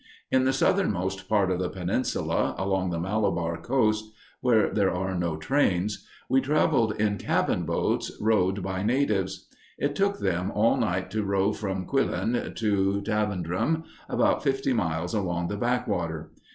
In the southernmost part of the peninsula, along the Malabar coast, where there are no trains, we traveled in cabin boats rowed by natives. It took them all night to row from Quilan to Travandrum, about fifty miles along the backwater.